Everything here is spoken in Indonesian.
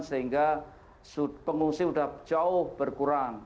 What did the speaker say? sehingga pengungsi sudah jauh berkurang